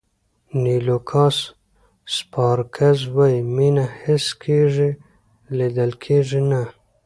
نیکولاس سپارکز وایي مینه حس کېږي لیدل کېږي نه.